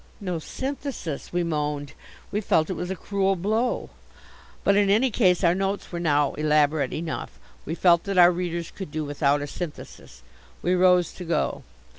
"No synthesis," we moaned. We felt it was a cruel blow. But in any case our notes were now elaborate enough. We felt that our readers could do without a synthesis. We rose to go.